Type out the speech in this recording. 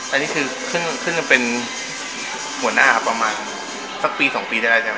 อันนี้คือซึ่งเป็นหัวหน้าครับประมาณสักปี๒ปีได้แล้วใช่ไหม